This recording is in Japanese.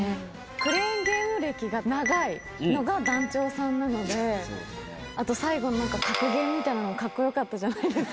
クレーンゲーム歴が長いのが団長さんなのであと最後の格言みたいなのもかっこよかったじゃないですか